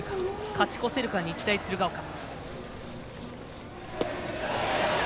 勝ち越せるか、日大鶴ヶ丘。